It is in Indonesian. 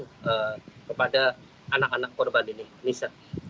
jadi memang ini juga ada bantuan dari pemerintah kota semarang memberikan bantuan healing